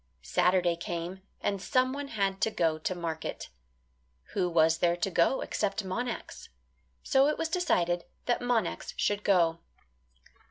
Saturday came and someone had to go to market. Who was there to go except Monax? So it was decided that Monax should go.